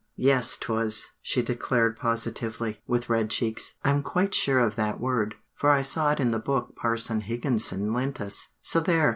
"Yes 'twas," she declared positively, with red cheeks, "I'm quite sure of that word, for I saw it in the book Parson Higginson lent us; so there!